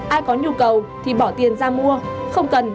ai có nhu cầu thì bỏ tiền ra mua không cần